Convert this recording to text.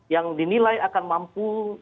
yang dinilai akan mampu